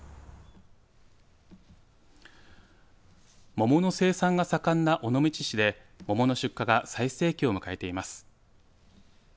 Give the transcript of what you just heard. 桃の生産の盛んな尾道市で桃の出荷が最盛期を迎えています。